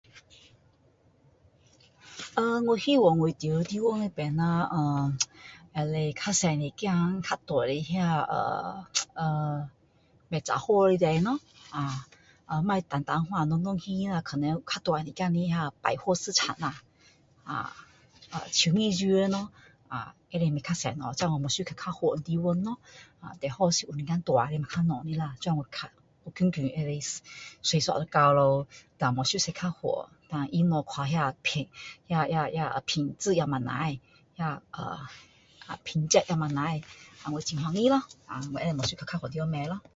呃我希望我住的地方那边呃可以比较多一点呃呃卖杂货的店咯蛤不要单单小小型的可能比较大一点的那个百货市场啦超市可以买比较多东西最好是可以比较大的比较小的去近近可以驾一下到了然后不需要驾比较远然后它不管品质也不错那个品质也不错然后我很高兴咯啊我可以不用去比较远的地方买咯啊